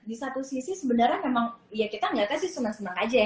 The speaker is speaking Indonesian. di satu sisi sebenarnya memang ya kita ngeliatnya sih semak semak aja ya